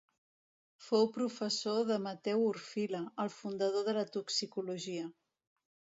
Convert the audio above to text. Fou professor de Mateu Orfila, el fundador de la toxicologia.